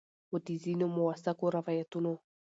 خو د ځینو مؤثقو روایتونو